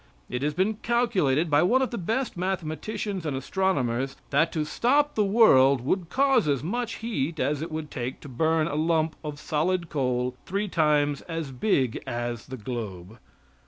It has been calculated by one of the best mathematicians and astronomers that to stop the world would cause as much heat as it would take to burn a lump of solid coal three times as big as the globe.